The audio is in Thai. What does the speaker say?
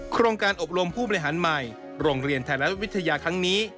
โครงการอบรมผู้บริหารใหม่โรงเรียนไทยรัฐวิทยาครั้งนี้